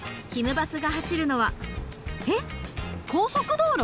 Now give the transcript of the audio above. バスが走るのはえっ高速道路？